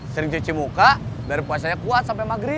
sering cuci muka dari puasanya kuat sampai maghrib